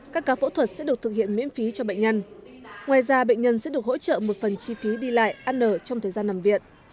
các ca phẫu thuật sẽ được thực hiện miễn phí cho bệnh nhân ngoài ra bệnh nhân sẽ được hỗ trợ một phần chi phí đi lại ăn nở trong thời gian nằm viện